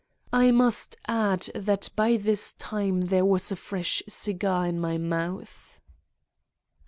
I must add that by this time there was a fresh cigar in my mouth.